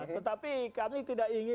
tetapi kami tidak ingin